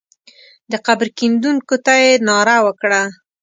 د قبر کیندونکو ته یې ناره وکړه.